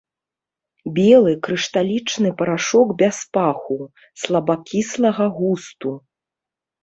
Белы крышталічны парашок без паху, слабакіслага густу.